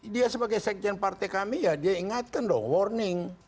dia sebagai sekjen partai kami ya dia ingatkan dong warning